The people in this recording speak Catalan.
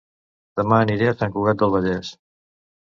Dema aniré a Sant Cugat del Vallès